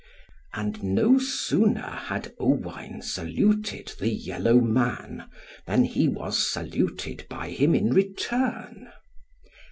And no sooner had Owain saluted the yellow man, than he was saluted by him in return.